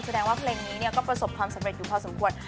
แสดงว่าเพลงนี้ก็ประสบความสำเร็จอยู่พอสมควร